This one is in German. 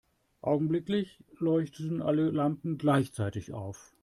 Augenblicklich leuchteten alle Lampen gleichzeitig auf.